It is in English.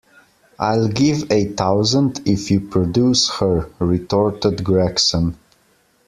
I'll give a thousand if you produce her, retorted Gregson.